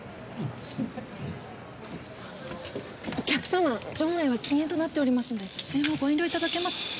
お客様場内は禁煙となっておりますので喫煙はご遠慮頂けます。